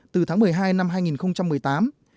từ tháng một mươi hai năm hai nghìn một mươi tám